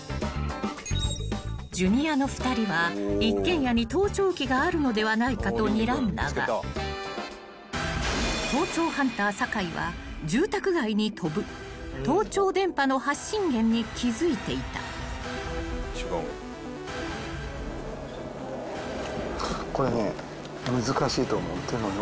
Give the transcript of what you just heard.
［Ｊｒ．の２人は一軒家に盗聴器があるのではないかとにらんだが盗聴ハンター酒井は住宅街に飛ぶ盗聴電波の発信源に気付いていた］というのはね